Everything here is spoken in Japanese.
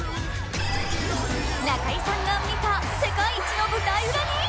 中居さんが見た世界一の舞台裏に。